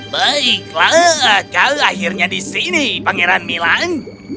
baiklah kau akhirnya di sini pangeran milang